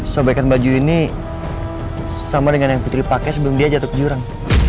sobekan baju ini sama dengan yang putri pakai sebelum dia jatuh ke jurang